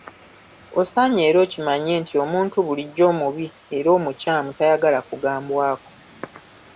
Osaanye era okimanye nti omuntu bulijjo omubi era omukyamu tayagala kugambwako.